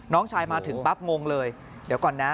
น้องชายมาถึงปั๊บงงเลยเดี๋ยวก่อนนะ